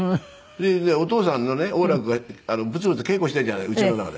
でお父さんのね王楽がブツブツ稽古しているじゃない家の中で。